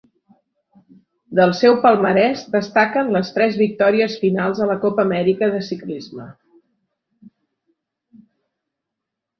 Del seu palmarès destaquen les tres victòries finals a la Copa Amèrica de Ciclisme.